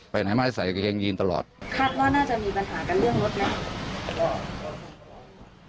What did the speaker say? คัดว่าน่าจะมีปัญหากันเรื่องรถเนี่ย